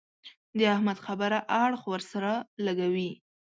د احمد خبره اړخ ور سره لګوي.